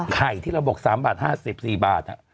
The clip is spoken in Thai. ไข่ที่เราบอก๓บาท๕๔บาท